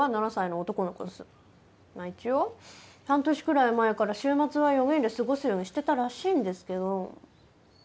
まあ一応半年くらい前から週末は４人で過ごすようにしてたらしいんですけど。